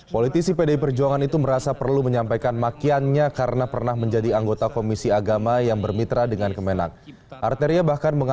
politisi pdi perjuangan itu merasa perlu menyampaikan makiannya karena pernah menjadi anggota komisi hukum dpr arteria dahlan